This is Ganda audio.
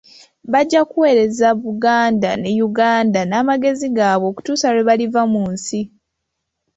Bajja kuweereza Buganda ne Uganda n'amagezi gaabwe okutuusa lwe baliva mu nsi.